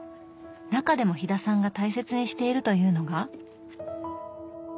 中でも飛田さんが大切にしているというのが。